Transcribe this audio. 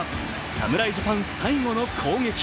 侍ジャパン最後の攻撃。